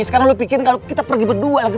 sekarang lu pikir nih kalo kita pergi berdua lagi